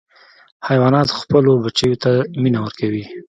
حیوانات خپلو بچیو ته مینه ورکوي.